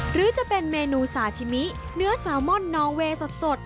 หรือจะเป็นเมนูซาชิมิเนื้อแซลมอนนอเวย์สด